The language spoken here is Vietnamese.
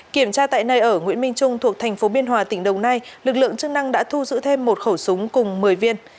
kiểm tra tại nơi ở nguyễn minh trung thuộc thành phố biên hòa tỉnh đồng nai lực lượng chức năng đã thu giữ thêm một khẩu súng cùng một mươi viên